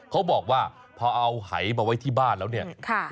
เขาบอกว่าพอเอาหายมาไว้ที่บ้านแล้วเนี่ย